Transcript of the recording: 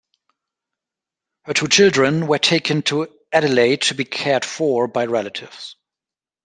Her two children were taken to Adelaide to be cared for by relatives.